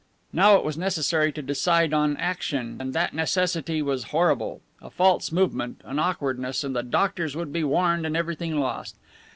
Now it was necessary to decide on action, and that necessity was horrible. A false movement, an awkwardness, and the "doctors" would be warned, and everything lost.